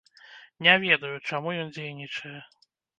Не ведаю, чаму ён дзейнічае.